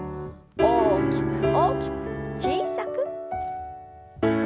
大きく大きく小さく。